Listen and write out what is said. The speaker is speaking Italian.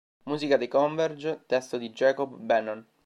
Musica dei Converge, testo di Jacob Bannon.